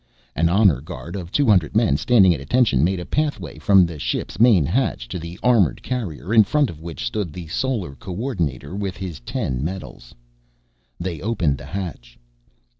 An honor guard of two hundred men standing at attention made a pathway from the ship's main hatch to the armored carrier, in front of which stood the Solar Co ordinator, with his ten medals. They opened the hatch.